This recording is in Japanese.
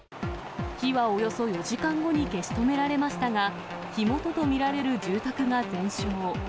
火はおよそ４時間後に消し止められましたが、火元と見られる住宅が全焼。